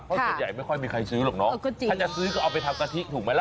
เพราะส่วนใหญ่ไม่ค่อยมีใครซื้อหรอกเนาะถ้าจะซื้อก็เอาไปทำกะทิถูกไหมล่ะ